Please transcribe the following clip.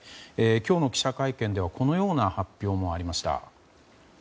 今日の記者会見ではこのような発表もありました。